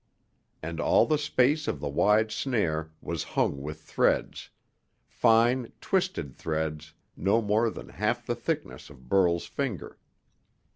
And all the space of the wide snare was hung with threads, fine, twisted threads no more than half the thickness of Burl's finger.